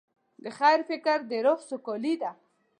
د خیر فکر د روح سوکالي ده.